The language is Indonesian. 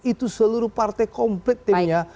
itu seluruh partai komplit timnya